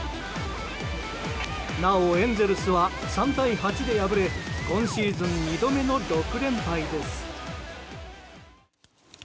なお、エンゼルスは３対８で敗れ今シーズン２度目の６連敗です。